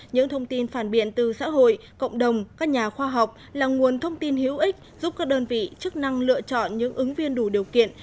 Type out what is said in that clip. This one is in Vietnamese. những thông tin phản biện từ xã hội cộng đồng các nhà khoa học là nguồn thông tin hữu ích giúp các đơn vị chức năng lựa chọn những ứng viên đủ điều kiện